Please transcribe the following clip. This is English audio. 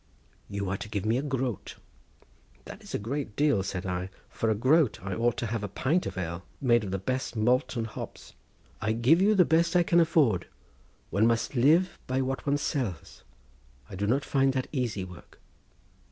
"You are to give me a groat." "That is a great deal," said I, "for a groat I ought to have a pint of ale made of the best malt and hops." "I give you the best I can afford. One must live by what one sells. I do not find that easy work."